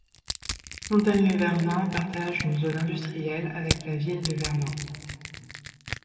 Fontaine-lès-Vervins partage une zone industrielle avec la ville de Vervins.